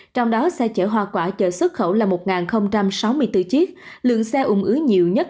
trong đó xe chở hoa quả chợ xuất khẩu là một sáu mươi bốn chiếc lượng xe ung ứ nhiều nhất